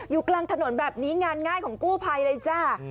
กลางถนนแบบนี้งานง่ายของกู้ภัยเลยจ้า